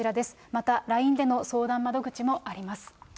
また、ＬＩＮＥでの相談窓口もあります。